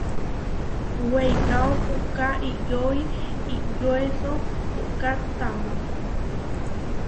Weikáo puʼká iʼyoi iʼyoeso puʼká tamó.